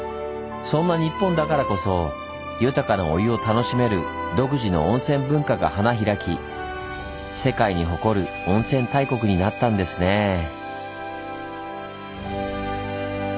そんな日本だからこそ豊かなお湯を楽しめる独自の温泉文化が花開き世界に誇る温泉大国になったんですねぇ。